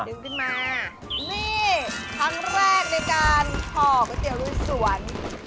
นี่ครั้งแรกในการท่อก๋วยเตี๋ยวรูสวน